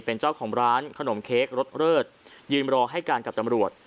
เป็นเจ้าของร้านขนมเค้กรสเลิศยืนรอให้การกับตำรวจ